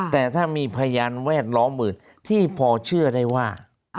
แต่ถ้ามีพยานแวดล้อมอื่นที่พอเชื่อได้ว่า